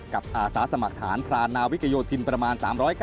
อาสาสมัครฐานพรานนาวิกโยธินประมาณ๓๙